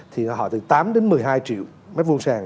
thì họ từ tám đến một mươi hai triệu m hai sàng